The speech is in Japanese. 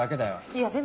いやでも。